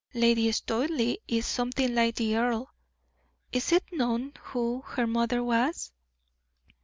Lady Studleigh is something like the earl. Is it known who her mother was?"